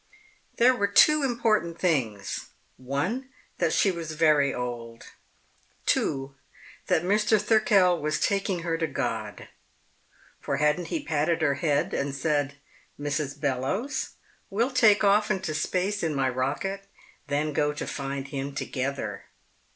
There were two important things one, that she was very old; two, that Mr. Thirkell was taking her to God. For hadn't he patted her hand and said: "Mrs. Bellowes, we'll take off into space in my rocket, and go to find Him together."